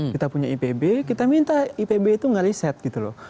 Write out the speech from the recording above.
kita punya ipb kita minta ipb itu nge riset gitu loh